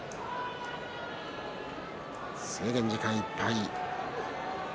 制限時間いっぱい。